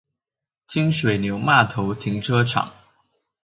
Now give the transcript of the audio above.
清水牛罵頭停車場